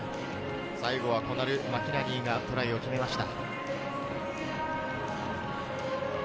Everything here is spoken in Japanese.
最後はコナル・マキナニーがトライを決めました。